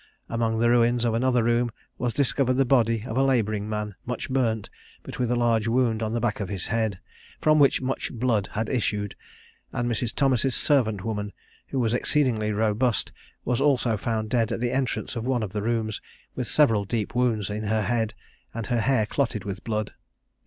Among the ruins of another room was discovered the body of a labouring man, much burnt, but with a large wound on the back of his head, from which much blood had issued; and Mrs. Thomas' servant woman, who was exceedingly robust, was also found dead at the entrance of one of the rooms, with several deep wounds in her head, and her hair clotted with blood.